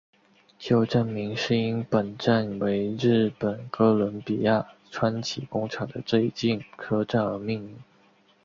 旧站名是因本站为日本哥伦比亚川崎工厂的最近车站而命名。